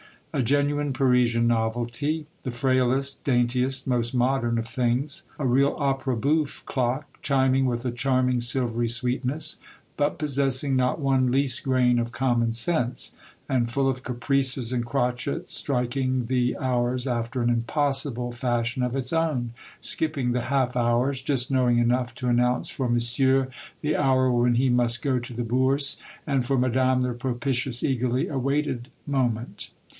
A genuine Parisian novelty, the frailest, daintiest, most modern of things, — a real opera boufife clock, chiming with a charming silvery sweetness, but possessing not one least grain of common sense, and full of caprices and crotchets, striking the hours after an impossible fashion of its own, skip ping the half hours, just knowing enough to an nounce for Monsieur the hour when he must go to the Bourse, and for Madame the propitious, eagerly awaited moment.